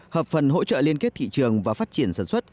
hợp phần hỗ trợ liên kết thị trường và phát triển sản xuất